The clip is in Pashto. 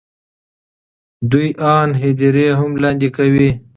دوی آن هدیرې هم لاندې کوي.